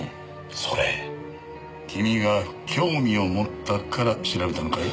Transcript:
それ君が興味を持ったから調べたのかい？